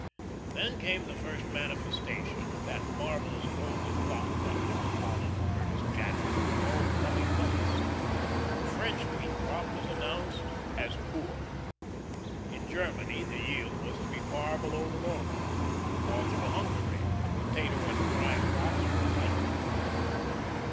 Then came the first manifestation of that marvellous golden luck that was to follow Curtis Jadwin through all the coming months. The French wheat crop was announced as poor. In Germany the yield was to be far below the normal. All through Hungary the potato and rye crops were light.